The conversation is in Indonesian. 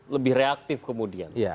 lebih reaktif kemudian